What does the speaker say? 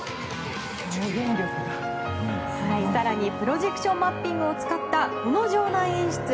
更にプロジェクションマッピングを使った、この場内演出！